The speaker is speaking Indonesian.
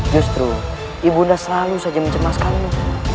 justru ibu bunda selalu saja mencemaskanmu